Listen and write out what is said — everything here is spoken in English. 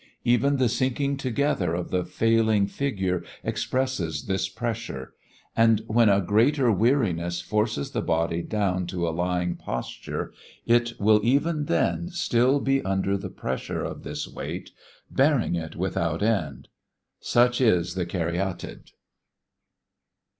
Even the sinking together of the failing figure expresses this pressure; and when a greater weariness forces the body down to a lying posture, it will even then still be under the pressure of this weight, bearing it without end. Such is the "Caryatid."